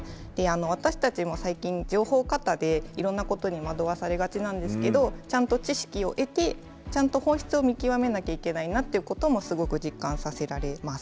私たちも最近情報過多でいろんなことに惑わされがちなんですがちゃんと知識を得てちゃんと本質を見極めなくてはいけないなということを実感させられます。